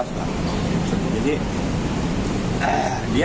saya ingin mengikuti ini sudah sudah